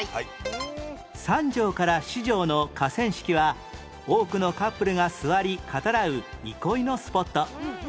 三条から四条の河川敷は多くのカップルが座り語らう憩いのスポット